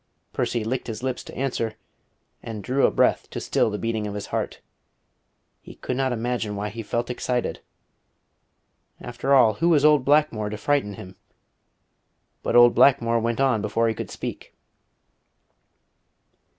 Percy licked his lips to answer, and drew a breath to still the beating of his heart. He could not imagine why he felt excited. After all, who was old Blackmore to frighten him? But old Blackmore went on before he could speak.